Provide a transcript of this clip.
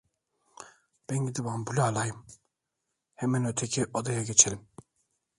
Ben gidip ampulü alayım; hemen öteki odaya geçelim!